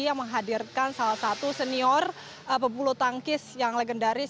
yang menghadirkan salah satu senior pebulu tangkis yang legendaris